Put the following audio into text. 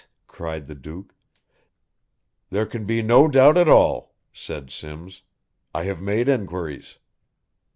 cried the Duke. "There can be no doubt at all," said Simms. "I have made enquiries."